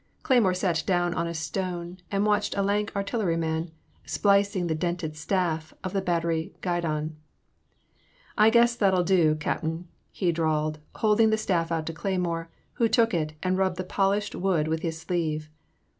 Clejrmore sat down on a stone and watched a lank artilleryman splicing the dented staff of the battery guidon. I guess that *11 dew, Capting, he drawled, holding the staff out to Cleymore, who took it and rubbed the polished wood with his sleeve.